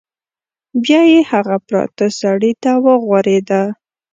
بیا یې هغه پراته سړي ته وغوریده.